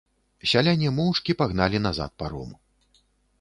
Сяляне моўчкі пагналі назад паром.